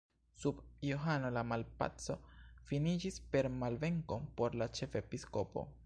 Sub Johano la malpaco finiĝis per malvenko por la ĉefepiskopo.